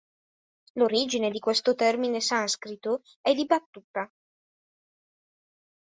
L'origine di questo termine sanscrito è dibattuta.